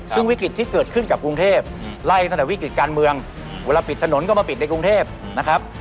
ซึ่งวิกฤตที่เกิดขึ้นกับกรุงเทพไล่ตั้งแต่วิกฤติการเมืองเวลาปิดถนนก็มาปิดในกรุงเทพนะครับ